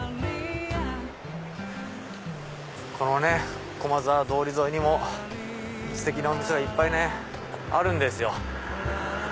この駒沢通り沿いにもステキなお店がいっぱいあるんですよ。